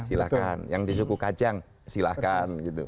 silahkan yang di suku kajang silahkan gitu